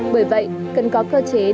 bởi vậy cần có cơ chế để tăng dịch